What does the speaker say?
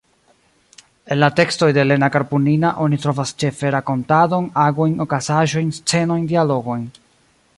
En la tekstoj de Lena Karpunina oni trovas ĉefe rakontadon, agojn, okazaĵojn, scenojn, dialogojn.